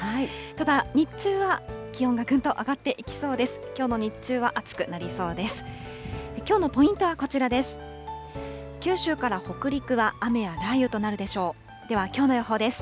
ただ日中は、気温がぐんと上がっていきそうです。